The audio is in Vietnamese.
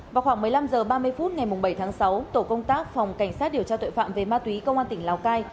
vào khoảng một mươi năm h ba mươi phút ngày bảy tháng sáu tổ công tác phòng cảnh sát điều tra tội phạm về ma túy công an tỉnh lào cai